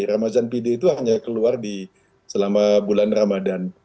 ramadhan pide itu hanya keluar selama bulan ramadhan